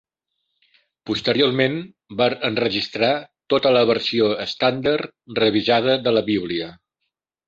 Posteriorment, va enregistrar tota la versió estàndard revisada de la Bíblia.